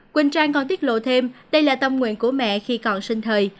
quỳnh trang còn tiết lộ thêm đây là tâm nguyện của mẹ khi còn sinh thời